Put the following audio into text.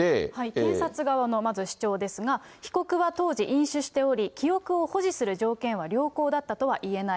検察側のまず主張ですが、被告は当時、飲酒しており、記憶を保持する条件は良好だったとはいえない。